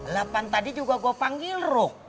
lapan tadi juga gue panggil ruk